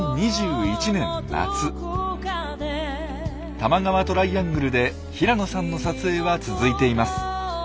多摩川トライアングルで平野さんの撮影は続いています。